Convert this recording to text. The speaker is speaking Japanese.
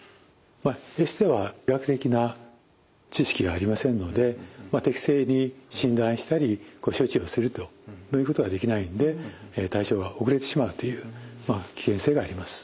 エステは医学的な知識がありませんので適正に診断したり処置をするということはできないので対処が遅れてしまうという危険性があります。